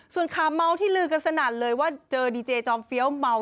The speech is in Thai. ส่วนข่าวเมาส์ที่ลือกันสนั่นเลยว่าเจอดีเจจอมเฟี้ยวเมา